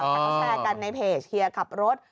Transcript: แต่เขาแชร์กันในเพจเฮียขับรถ